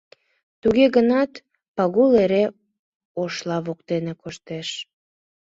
Туге гынат Пагул эре Ошла воктене коштеш.